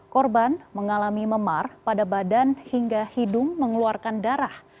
korban mengalami memar pada badan hingga hidung mengeluarkan darah